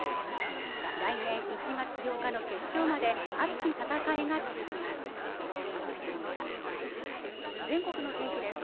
来年１月８日の決勝まで熱き戦いが続きます。